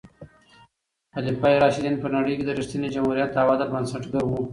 خلفای راشدین په نړۍ کې د رښتیني جمهوریت او عدل بنسټګر وو.